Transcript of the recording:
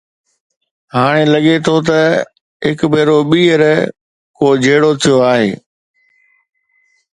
هاڻ لڳي ٿو ته هڪ ڀيرو ٻيهر ڪو جهيڙو ٿيو آهي.